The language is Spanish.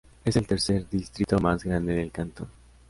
Es el tercer distrito más grande del cantón.